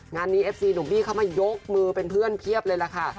งานนี้เอฟซีหนุ่มบี้เข้ามายกมือเป็นเพื่อนเพียบเลยล่ะค่ะ